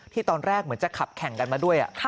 ตอนแรกเหมือนจะขับแข่งกันมาด้วย